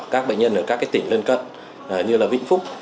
các bệnh nhân ở các tỉnh lân cận như là vĩnh phúc